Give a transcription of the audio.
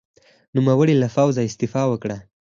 نوموړي له پوځه استعفا وکړه.